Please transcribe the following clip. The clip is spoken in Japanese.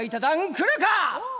来るか！」。